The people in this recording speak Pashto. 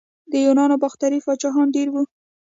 د یونانو باختري پاچاهان ډیر وو